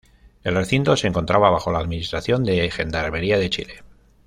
El recinto se encontraba bajo la administración de Gendarmería de Chile.